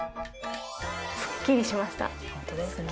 すっきりしました。